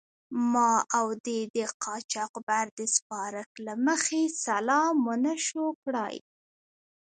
ما او دې د قاچاقبر د سپارښت له مخې سلام و نه شو کړای.